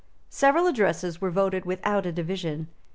Several addresses were voted without a division.